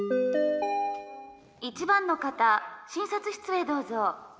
「１番の方診察室へどうぞ」。